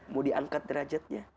mau diangkat derajatnya